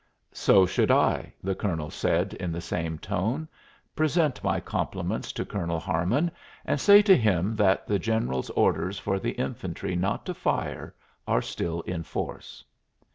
"So should I," the colonel said in the same tone. "Present my compliments to Colonel Harmon and say to him that the general's orders for the infantry not to fire are still in force."